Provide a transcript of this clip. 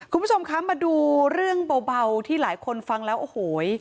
คุณผู้ชมคะมาดูเรื่องเบาที่หลายคนฟังแล้วโอ้โห